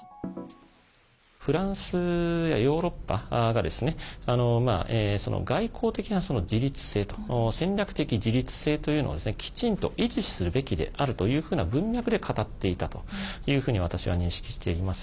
フランスやヨーロッパが外交的な自立性と戦略的自立性というのをきちんと維持するべきであるというふうな文脈で語っていたというふうに私は認識しています。